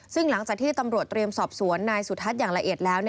ซึ่งหลังจากที่ตำรวจเตรียมสอบสวนนายสุทัศน์อย่างละเอียดแล้ว